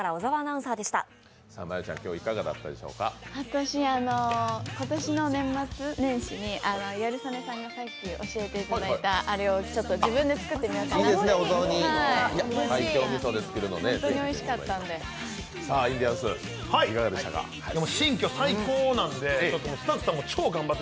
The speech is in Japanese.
私、今年の年末年始にギャル曽根さんに教えていただいたあれを自分で作ってみようと思って。